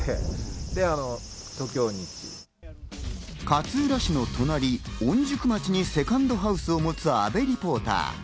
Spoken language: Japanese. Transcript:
勝浦市の隣、御宿町にセカンドハウスを持つ阿部リポーター。